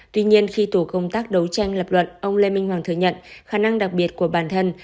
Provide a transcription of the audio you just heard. tuy nhiên khi tổ công tác đấu tranh lập luận ông lê minh hoàng thừa nhận khả năng đặc biệt của bản thân